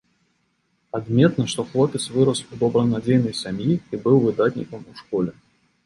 Адметна, што хлопец вырас у добранадзейнай сям'і і быў выдатнікам у школе.